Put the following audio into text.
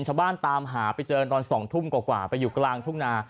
ตามหาไปเจอตอน๒ทุ่มกว่าไปอยู่กลางทุ่งนา